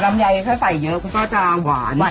ไยถ้าใส่เยอะมันก็จะหวาน